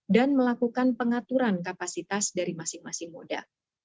dan melakukan pengaturan kapasitas dari masing masing moda